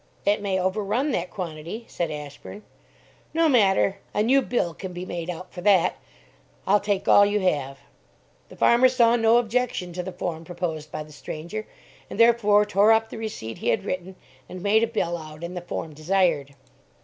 '" "It may overrun that quantity," said Ashburn. "No matter, a new bill can be made out for that. I'll take all you have." The farmer saw no objection to the form proposed by the stranger, and therefore tore up the receipt he had written, and made a bill out in the form desired.